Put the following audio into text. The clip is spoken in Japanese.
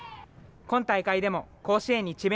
今大会でも、甲子園に智弁